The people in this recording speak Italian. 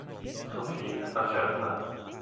Sophie accetta.